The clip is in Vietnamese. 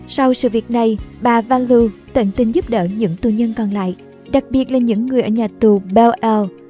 sau sự việc này bà van loo tận tinh giúp đỡ những tù nhân còn lại đặc biệt là những người ở nhà tù belle isle